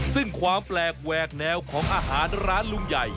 ซึ่งความแปลกแหวกแนวของอาหารร้านลุงใหญ่